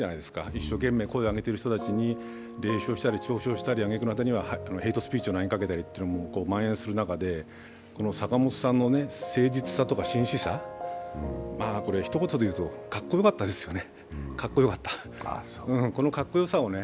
一生懸命声を上げている人に冷笑したりあげくの果てにはヘイトスピーチを投げかけたりがまん延する中で、坂本さんの誠実さとか真摯さ、ひと言で言うとかっこよかったですよね。